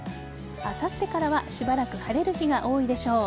あさってからしばらく晴れる日が多いでしょう。